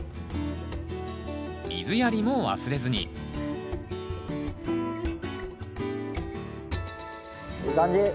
水やりも忘れずにいい感じ。